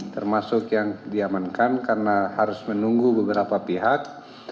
termasuk yang diamankan karena harus menunggu beberapa pihak